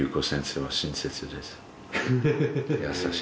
はい。